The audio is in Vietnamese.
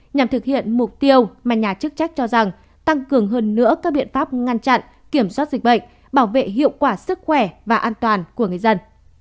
nhằm thực hiện mục tiêu mà nhà chức trách cho rằng tăng cường hơn nữa các biện pháp ngăn chặn kiểm soát dịch bệnh bảo vệ hiệu quả sức khỏe và an toàn của người dân